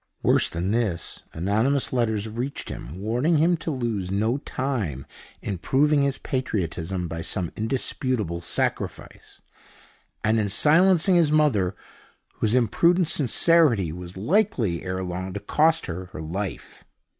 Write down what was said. Worse than this, anonymous letters reached him, warning him to lose no time in proving his patriotism by some indisputable sacrifice, and in silencing his mother, whose imprudent sincerity was likely ere long to cost her her life.